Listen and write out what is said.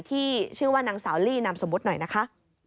ที่ชื่อว่านางสาวลี่นามสมมุติหน่อยนะคะ